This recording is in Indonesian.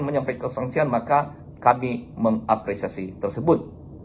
menyampaikan kesangsian maka kami mengapresiasi tersebut